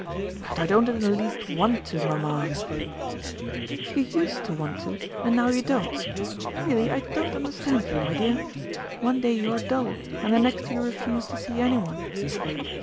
"But I don't in the least want to, Mamma." "You used to want to, and now you don't. Really I don't understand you, my dear. One day you are dull, and the next you refuse to see anyone."